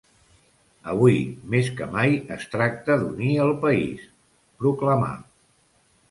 Avui, més que mai, es tracta d’unir el país, proclamà.